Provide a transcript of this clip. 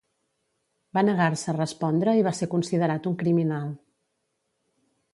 Va negar-se a respondre i va ser considerat un criminal.